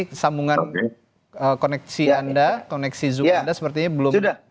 tapi sambungan koneksi anda koneksi zoom anda sepertinya belum